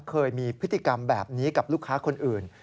เคยมีพฤติกรรมแบบนี้กับลูกค้าคนอื่น